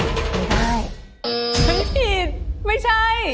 ใช่ฉันผิดไม่ใช่